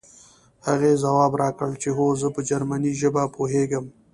هغې ځواب راکړ چې هو زه په جرمني ژبه پوهېږم